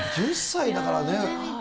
１０歳だからね。